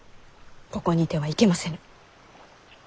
ここにいてはいけませぬ。